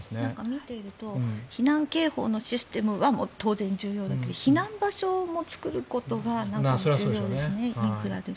見ていると避難警報のシステムは当然、重要だけど避難場所も作ることが重要ですね。